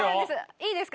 いいですか？